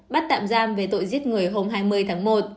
bắt tạm giam về tội giết người hôm hai mươi tháng một